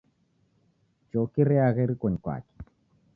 Choki reagha irikonyi kwake.